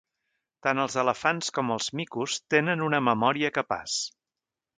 Tant els elefants com els micos tenen una memòria capaç.